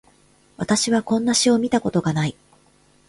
私はこんな詩を見たことがない